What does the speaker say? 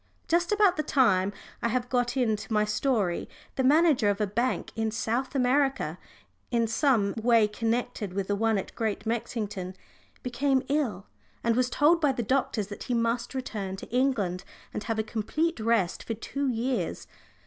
Just about the time I have got to in my story, the manager of a bank in South America, in some way connected with the one at Great Mexington, became ill, and was told by the doctors that he must return to England and have a complete rest for two years.